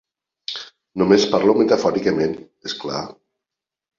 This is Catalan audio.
Només parlo metafòricament, és clar.